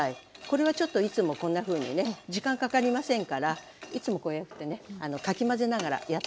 これはちょっといつもこんなふうにね時間かかりませんからいつもこうやってねかき混ぜながらやって頂くといいですね。